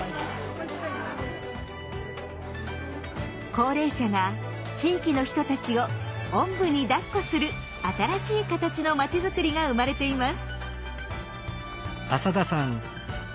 高齢者が地域の人たちを「おんぶにだっこ」する新しい形の町づくりが生まれています。